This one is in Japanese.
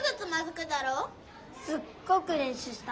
すっごくれんしゅうした。